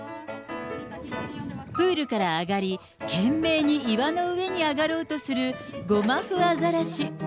プールから上がり、懸命に岩の上に上がろうとするゴマフアザラシ。